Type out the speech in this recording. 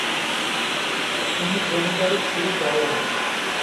তিনি জমিদারী শুরু করেন।